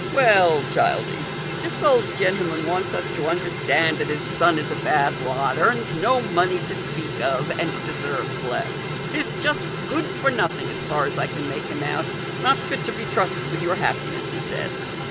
" Well, Childie. This old gentleman wants us to understand that his son is a bad lot, earn? no money to speak of, and deserves less ; is just good for nothing as far as I can make him out, not fit to be trusted with your happiness, he says."